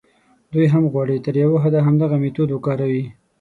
دوی هم غواړي تر یوه حده همدغه میتود وکاروي.